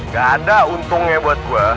gak ada untungnya buat gue